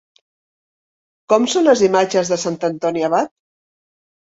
Com són les imatges de Sant Antoni Abat?